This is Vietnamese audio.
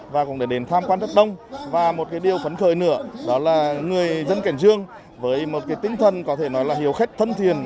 và cũng để đến tham quan rất đông và một điều phấn khởi nữa đó là người dân cảnh dương với một tinh thần có thể nói là hiểu khách thân thiền